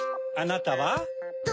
あなたは？